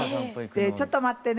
「ちょっと待ってね